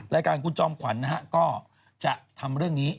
รายการของคุณจอมขวัญนะฮะก็จะทำเรื่องนี้